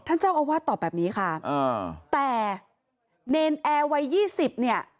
ท่านเจ้าอวาดตอบแบบนี้ค่ะแต่เนรแอวัย๒๐